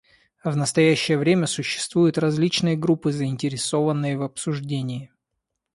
В настоящее время существуют различные группы, заинтересованные в обсуждении.